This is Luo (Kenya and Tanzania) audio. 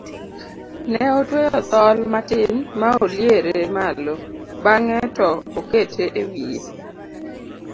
ne otweyo thol matin ma oliere malo bang'e to okete e wiye